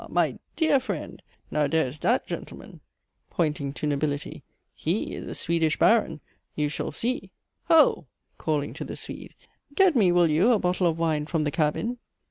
my dear friend! Now dhere is dhat gentleman (pointing to Nobility) he is a Swedish baron you shall see. Ho! (calling to the Swede) get me, will you, a bottle of wine from the cabin.